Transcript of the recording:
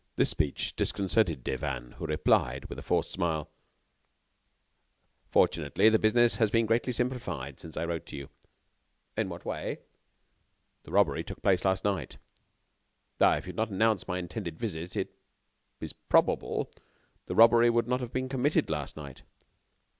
This speech disconcerted Devanne, who replied, with a forced smile: "Fortunately, the business has been greatly simplified since I wrote to you." "In what way?" "The robbery took place last night." "If you had not announced my intended visit, it is probable the robbery would not have been committed last night."